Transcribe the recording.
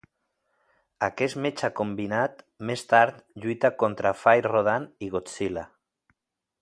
Aquest "mecha" combinat més tard lluita contra Fire Rodan i Godzilla.